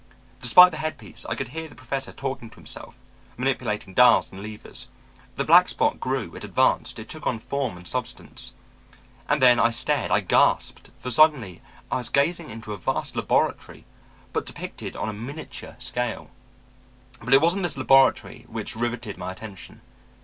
Despite the headpiece, I could hear the Professor talking to himself, manipulating dials and levers. The black spot grew, it advanced, it took on form and substance; and then I stared, I gasped, for suddenly I was gazing into a vast laboratory, but depicted on a miniature scale. "But it wasn't this laboratory which riveted my attention.